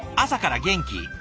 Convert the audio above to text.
朝から元気。